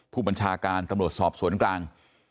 ผู้บัญชาการตำรวจสอบสวนกลาง